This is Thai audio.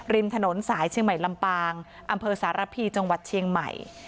ริมถนนสายเชียงใหม่ลำปางอำเภอสารพีจังหวัดเชียงใหม่